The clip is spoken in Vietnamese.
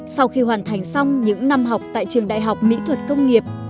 sau khi hoàn thành xong những năm học tại trường đại học mỹ thuật công nghiệp